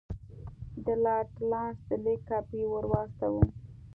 د لارډ لارنس د لیک کاپي ورواستوله.